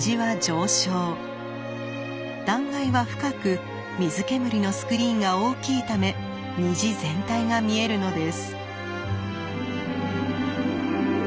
断崖は深く水煙のスクリーンが大きいため虹全体が見えるのです。